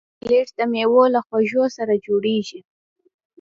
چاکلېټ د میوو له خوږو سره جوړېږي.